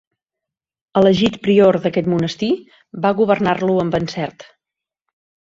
Elegit prior d'aquest monestir va governar-lo amb encert.